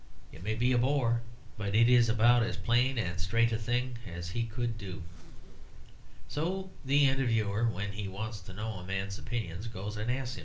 It may be a bore; but it is about as plain and straight a thing as he could do. So the interviewer, when he wants to know a man's opinions, goes and asks him.